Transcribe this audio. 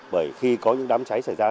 bởi khi có những đám cháy xảy ra